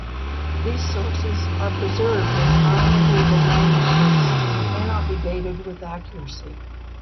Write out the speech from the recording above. These sources are preserved in High Medieval manuscripts and cannot be dated with accuracy.